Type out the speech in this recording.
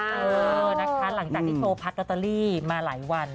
เออนะคะหลังจากที่โชว์พัดลอตเตอรี่มาหลายวัน